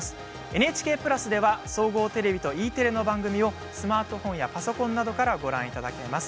ＮＨＫプラスでは総合テレビとＥテレの番組をスマートフォンやパソコンなどからご覧いただけます。